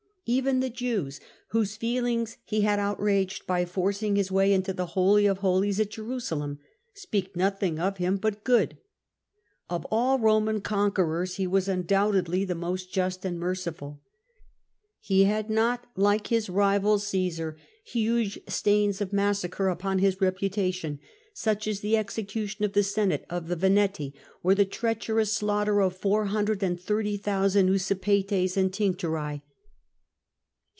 Even the Jews, whose feelings he had outraged by forcing his way into the Holy of Holies at Jerusalem, speak nothing of him but good. Of all Roman conquerors he was undoubtedly the most just and merciful. He had not, like his rival Cmsar, huge stains of massacre upon his reputation, such as the execution of the senate of the Veneti or the treacherous slaughter of the 430,000 XJsipetes and Tencteri.